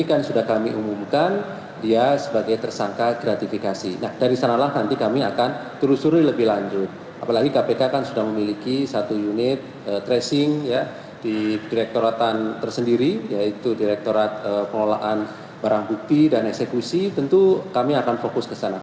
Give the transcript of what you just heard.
kepala bagian pemberitaan kpk alif fikri menyatakan penetapan status tersangka tppu berdasarkan proses pengurusan perpajakan yang dilakukan rafael